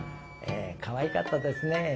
かわいかったですね。